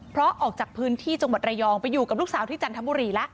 เพราะออกจากพื้นที่จงบัดรายองไปอยู่กับลูกสาวที่จันทร์ทันพุรีล่ะ